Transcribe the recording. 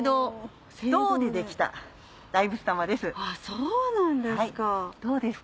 そうなんですか。